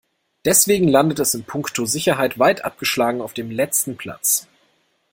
Deswegen landet es in puncto Sicherheit weit abgeschlagen auf dem letzten Platz.